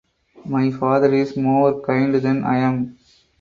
My father is more kind than I am.